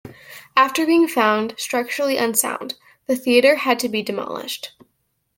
After being found structurally unsound, the theatre had to be demolished.